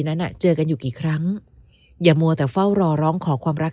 นั้นอ่ะเจอกันอยู่กี่ครั้งอย่ามัวแต่เฝ้ารอร้องขอความรัก